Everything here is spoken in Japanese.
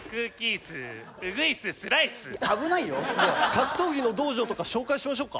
格闘技の道場とか紹介しましょうか？